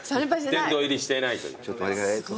殿堂入りしていないという。